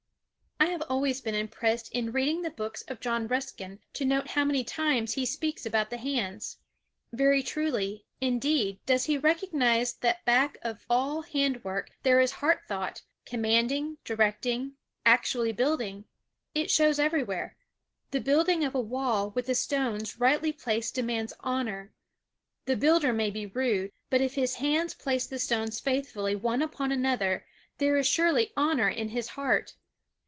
I have always been impressed in reading the books of John Ruskin to note how many times he speaks about the hands. Very truly, indeed, does he recognize that back of all hand work there is heart thought, commanding, directing, actually building. It shows everywhere. The building of a wall with the stones rightly placed demands honor. The builder may be rude, but if his hands place the stones faithfully one upon another, there is surely honor in his heart.